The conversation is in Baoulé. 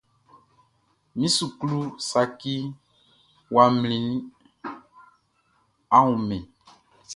Mi suklu saci ya mlinnin, a wunman?